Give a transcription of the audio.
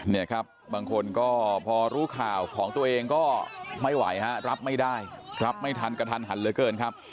เนี่ยครับบางคนก็พอรู้ข่าวของตัวเองก็ไม่ไหวฮะรับไม่ได้รับไม่ทันกระทันหันเหลือเกินครับ